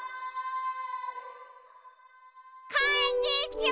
こんにちは！